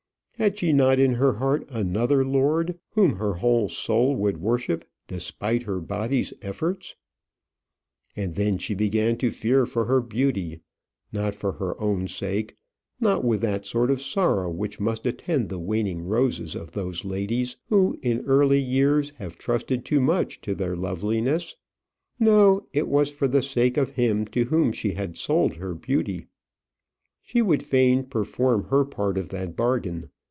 Had she not in her heart another lord, whom her whole soul would worship, despite her body's efforts? And then she began to fear for her beauty; not for her own sake; not with that sort of sorrow which must attend the waning roses of those ladies who, in early years, have trusted too much to their loveliness. No; it was for the sake of him to whom she had sold her beauty. She would fain perform her part of that bargain.